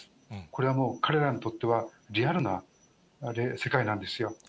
これはもう、彼らにとっては、リアルな世界なんですよ。